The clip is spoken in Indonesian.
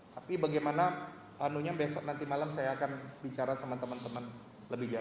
tapi bagaimana anunya besok nanti malam saya akan bicara sama teman teman lebih jauh